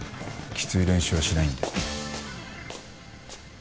きつい練習はしないんで。